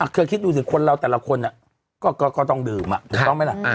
เคยคิดดูสิคนเราแต่ละคนก็ต้องดื่มถูกต้องไหมล่ะ